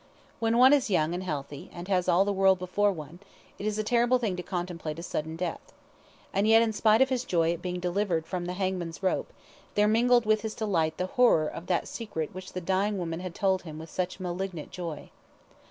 When one is young and healthy, and has all the world before one, it is a terrible thing to contemplate a sudden death. And yet, in spite of his joy at being delivered from the hangman's rope, there mingled with his delight the horror of that secret which the dying woman had told him with such malignant joy.